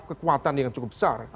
dan kekuasaan yang cukup besar